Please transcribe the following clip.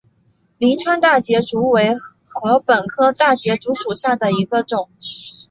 灵川大节竹为禾本科大节竹属下的一个种。